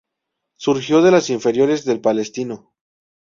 Surgió de las inferiores de Palestino.